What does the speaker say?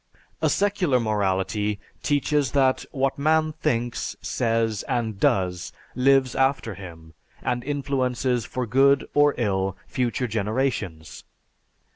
A secular morality teaches that what man thinks, says, and does lives after him and influences for good or ill future generations.